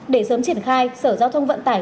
để sớm triển khai sở giao thông vận tải